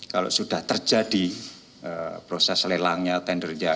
kalau sudah terjadi proses lelangnya tendernya